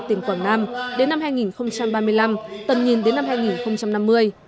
tỉnh quảng nam đến năm hai nghìn ba mươi năm tầm nhìn đến năm hai nghìn năm mươi